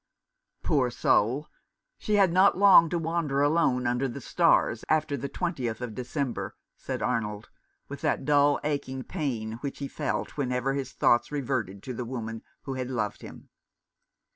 " Poor soul ! She had not long to wander alone under the stars after the twentieth of December," said Arnold, with that dull aching pain which he felt whenever his thoughts reverted to the woman who had loved him.